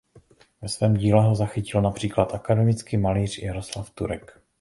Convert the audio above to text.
Ve svém díle ho zachytil například akademický malíř Jaroslav Turek.